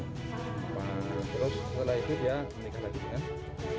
harus terus dominasi bagi tentaraschsegar yang b saints lidh ini